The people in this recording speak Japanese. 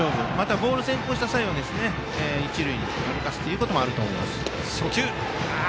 ボール先行した場合は一塁に歩かせるということもあると思います。